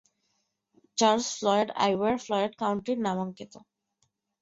Charles Floyd আইওয়ার Floyd কাউন্টির নামাঙ্কিত।